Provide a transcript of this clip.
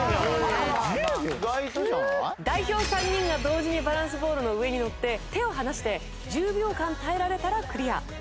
代表３人が同時にバランスボールの上にのって手を離して１０秒間耐えられたらクリア。